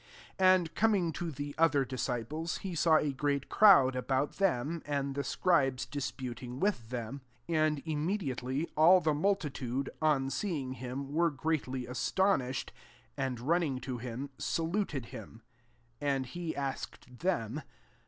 '' 14 And coming to the otker disciples, he saw a great crowd about them, and the scribes dis puting with them. 15 And im mediately, all the multitude, on seeing him, were greatly aston ished ; and running to htnty salut ed him. 1 6 And he asked them